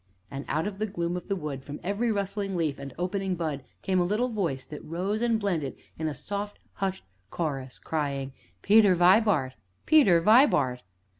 And out of the gloom of the wood, from every rustling leaf and opening bud, came a little voice that rose and blended in a soft, hushed chorus, crying: "Peter Vibart Peter Vibart!"